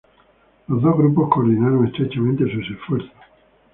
Los dos grupos coordinaron estrechamente sus esfuerzos.